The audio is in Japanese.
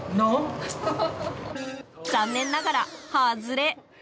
残念ながら外れ。